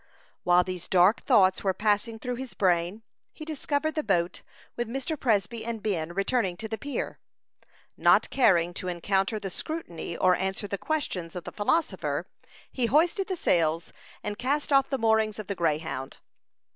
While these dark thoughts were passing through his brain, he discovered the boat, with Mr. Presby and Ben, returning to the pier. Not caring to encounter the scrutiny, or answer the questions of the philosopher, he hoisted the sails, and cast off the moorings of the Greyhound.